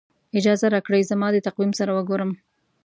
اجازه راکړئ زما د تقویم سره وګورم.